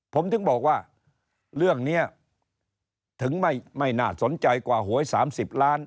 ผมถึงบอกว่าเรื่องนี้ถึงไม่น่าสนใจกว่าหวย๓๐ล้าน